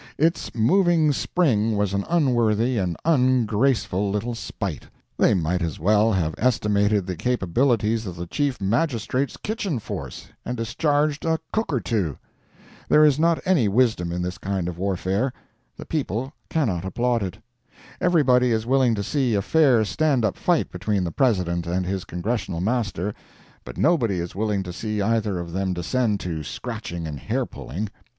Its moving spring was an unworthy and an ungraceful little spite. They might as well have estimated the capabilities of the Chief Magistrate's kitchen force, and discharged a cook or two. There is not any wisdom in this kind of warfare. The people cannot applaud it. Everybody is willing to see a fair stand up fight between the President and his Congressional master, but nobody is willing to see either of them descend to scratching and hair pulling.